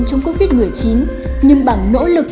trong covid một mươi chín nhưng bằng nỗ lực